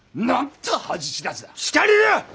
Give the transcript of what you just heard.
しかりだ。